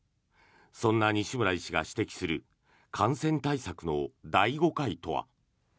そんな西村医師が指摘する感染対策の大誤解とは。